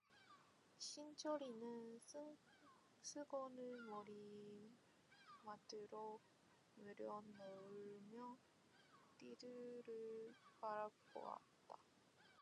신철이는 수건을 머리맡으로 물려 놓으며 뒤뜰을 바라보았다.